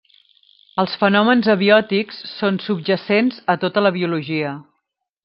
Els fenòmens abiòtics són subjacents a tota la biologia.